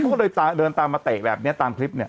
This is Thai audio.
เขาก็เลยเดินตามมาเตะแบบนี้ตามคลิปเนี่ย